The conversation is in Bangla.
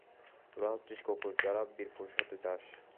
তোরা হচ্ছিস কুকুর, যারা বীরপুরুষ হতে চাস।